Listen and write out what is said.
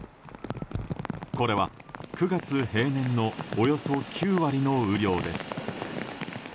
これは９月平年のおよそ９割の雨量です。